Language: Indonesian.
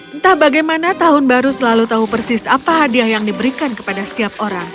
entah bagaimana tahun baru selalu tahu persis apa hadiah yang diberikan kepada setiap orang